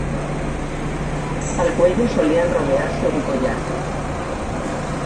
Al cuello solían rodearse un collar.